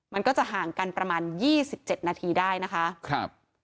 มันก็จะห่างกันประมาณ๒๗นาทีได้นะคะ